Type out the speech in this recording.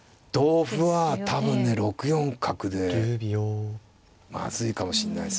同歩は多分ね６四角でまずいかもしんないですね。